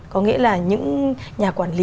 có nghĩa là những nhà quản lý